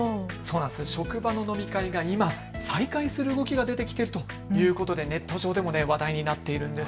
職場の飲み会が今、再開する動きが出てきているということでネット上でも話題になっているんです。